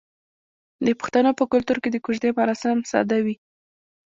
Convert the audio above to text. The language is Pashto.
د پښتنو په کلتور کې د کوژدې مراسم ساده وي.